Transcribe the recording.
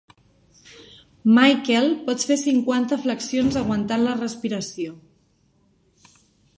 Michael pot fer cinquanta flexions aguantant la respiració